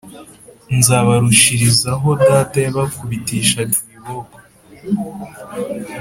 nzabarushirizaho Data yabakubitishaga ibiboko